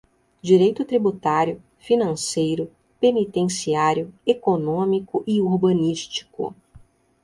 direito tributário, financeiro, penitenciário, econômico e urbanístico;